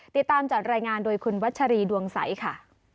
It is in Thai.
ติดตามจากรายงานโดยคุณวัชรีดวงใสค่ะ